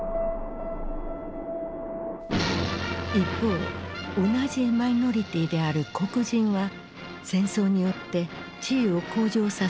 一方同じマイノリティーである黒人は戦争によって地位を向上させることになった。